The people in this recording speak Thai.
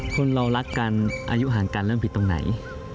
คนเรารักกันอายุห่างกันเริ่มผิดตรงไหน